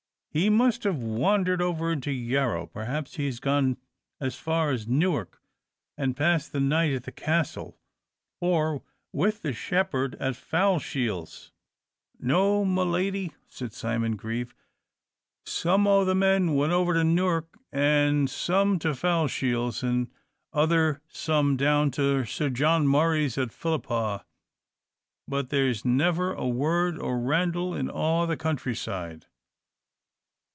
"He must have wandered over into Yarrow; perhaps he has gone as far as Newark, and passed the night at the castle, or with the shepherd at Foulshiels." "No, my Lady," said Simon Grieve, "some o' the men went over to Newark, and some to Foulshiels, and other some down to Sir John Murray's at Philiphaugh; but there's never a word o' Randal in a' the country side."